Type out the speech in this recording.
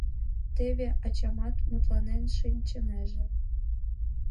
Теве ачамат мутланен шинчынеже.